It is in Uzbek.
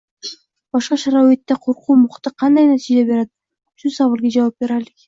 Bunaqa sharoitda qo‘rquv muhiti qanday natija beradi? Shu savolga javob beraylik.